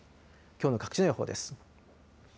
きょうの各地の予報です。